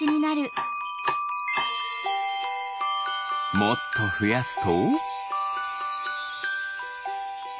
もっとふやすと。